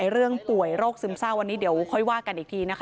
เรื่องป่วยโรคซึมเศร้าวันนี้เดี๋ยวค่อยว่ากันอีกทีนะคะ